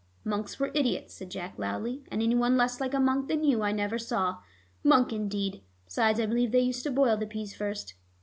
"Monks were idiots," said Jack loudly, "and any one less like a monk than you, I never saw. Monk indeed! Besides, I believe they used to boil the peas first."